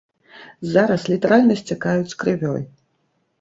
Зараз літаральна сцякаюць крывёй.